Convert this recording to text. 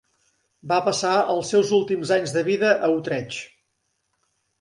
Va passar els seus últims anys de vida a Utrecht.